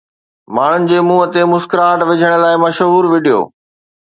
ماڻهن جي منهن تي مسڪراهٽ وجهڻ لاءِ مشهور وڊيو